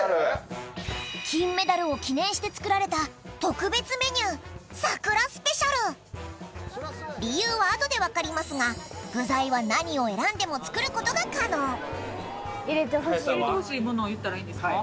金メダルを記念して作られた特別メニューさくらスペシャル理由は後で分かりますが具材は何を選んでも作ることが可能入れてほしいものを言ったらいいんですか？